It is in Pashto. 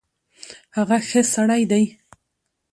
هغه ښۀ سړی ډی